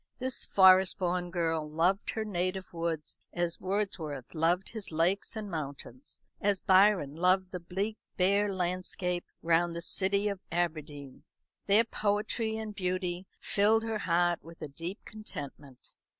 This Forest born girl loved her native woods as Wordsworth loved his lakes and mountains, as Byron loved the bleak bare landscape round the city of Aberdeen. Their poetry and beauty filled her heart with a deep contentment.